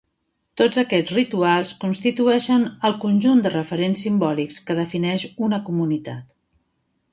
Tots aquests rituals constitueixen el conjunt de referents simbòlics que defineix una comunitat.